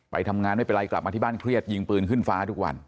ไปทำงานไม่เป็นไรกลับมาที่บ้านเครียดยิงปืนขึ้นฟ้าทุกวัน